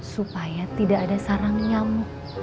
supaya tidak ada sarang nyamuk